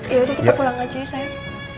ya udah kita pulang aja ya sayang